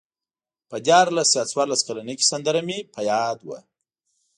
په دیارلس یا څوارلس کلنۍ کې سندره مې په یاد وه.